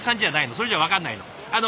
それじゃ分かんないの。